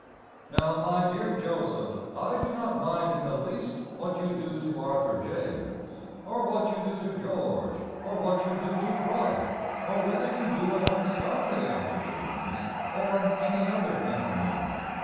Now, my dear Joseph, I do not mind in the least What you do to Arthur James, Or what you do to George, Or what you do to Broddy, Or whether you do it on Sunday afternoons, Or on any other afternoon.